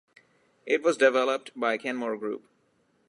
It was developed by Kenmore Group.